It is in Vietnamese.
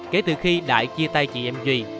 kể từ khi đại chia tay chị em duy